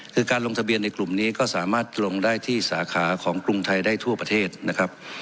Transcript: คือการลงทะเบียนในกลุ่มนี้ก็สามารถลงได้ที่สาขาของกรุงไทยได้ทั่วประเทศนะครับ